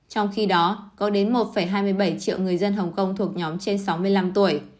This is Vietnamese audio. trong khi đó có đến một hai mươi bảy triệu người dân hồng kông thuộc nhóm trên sáu mươi năm tuổi